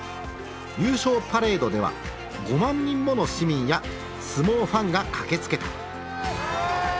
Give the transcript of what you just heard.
優勝パレードでは５万人もの市民や相撲ファンが駆けつけた。